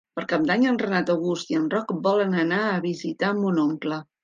Per Cap d'Any en Renat August i en Roc volen anar a visitar mon oncle.